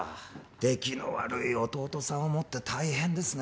出来の悪い弟さんを持って大変ですね